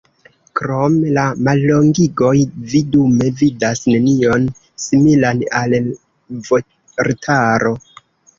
Krom la mallongigoj vi dume vidas nenion similan al vortaro.